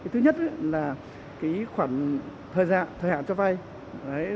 thứ nhất là cái khoảng thời gian thời hạn cho vay